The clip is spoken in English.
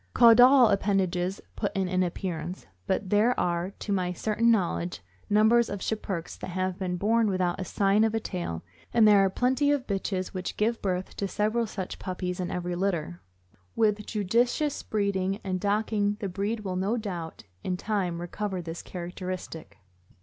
Caudal appendages put in an appear ance, but there are, to my certain knowledge, numbers of Schipperkes that have been born without a sign of a tail, and there are plenty of bitches which give birth to several such puppies in every litter. With judicious breeding and docking the breed will no doubt, in time, recover this characteristic.